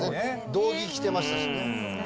道着着てましたしね。